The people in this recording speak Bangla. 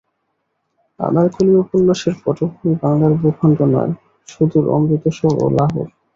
আনারকলি উপন্যাসের পটভূমি বাংলার ভূখণ্ড নয়, সুদূর অমৃতসর ও লাহোর।